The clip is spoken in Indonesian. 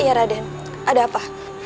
iya raden ada apa